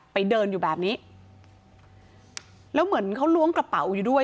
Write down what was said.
ไปเดินอยู่แบบนี้แล้วเหมือนเขาล้วงกระเป๋าอยู่ด้วย